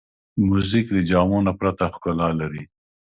موزیک د جامو نه پرته ښکلا لري.